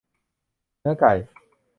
เนื้อไก่